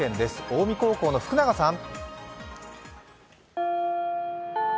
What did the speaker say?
近江高校の福永さん。